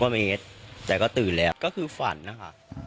เมตรแต่ก็ตื่นแล้วก็คือฝันนะคะ